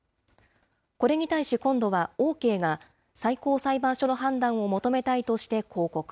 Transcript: これに対し今度はオーケーが最高裁判所の判断を求めたいとして抗告。